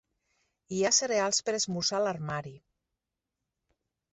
Hi ha cereals per esmorzar a l'armari.